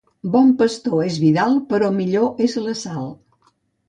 Bon pastor és Vidal, però millor és la sal.